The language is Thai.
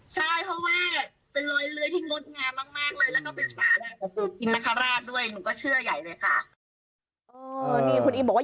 ใช่เพราะว่า